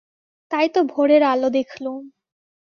তাই তো ভোরের আলো দেখলুম।